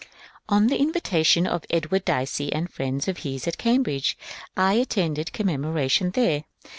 On the invitation of Edward Dicey and friends of his at Cambridge, I attended Commemoration there.